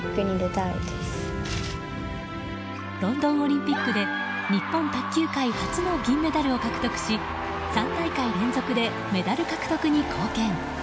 ロンドンオリンピックで日本卓球界初の銀メダルを獲得し３大会連続でメダル獲得に貢献。